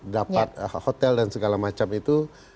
dapat hotel dan segala macam itu